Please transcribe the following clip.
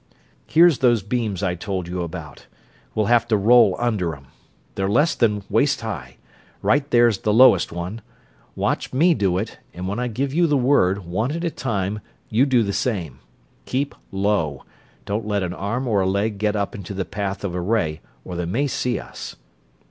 "Here's those beams I told you about. We'll have to roll under 'em. They're less than waist high right there's the lowest one. Watch me do it, and when I give you the word, one at a time, you do the same. Keep low don't let an arm or a leg get up into the path of a ray or they may see us."